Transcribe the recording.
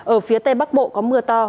ở phía tây bắc bộ có mưa to